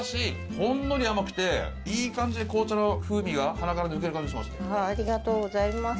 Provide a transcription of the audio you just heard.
ほんのり甘くていい感じで紅茶の風味が鼻から抜ける感じします。